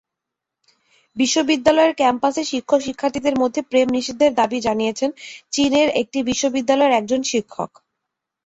বিশ্ববিদ্যালয়ের ক্যাম্পাসে শিক্ষক-শিক্ষার্থীর মধ্যে প্রেম নিষিদ্ধের দাবি জানিয়েছেন চীনের একটি বিশ্ববিদ্যালয়ের একজন শিক্ষক।